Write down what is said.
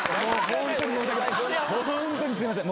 ホントにすいません。